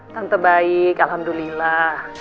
tante baik alhamdulillah